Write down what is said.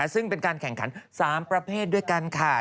ซึ่งเป็นการแข่งขัน๓ประเภทด้วยกันค่ะ